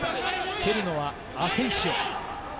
蹴るのはアセンシオ。